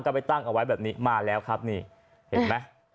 ก็ไปตั้งเอาไว้แบบนี้มาแล้วครับนี่เห็นไหม